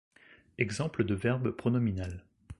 Exemple de verbe pronominal.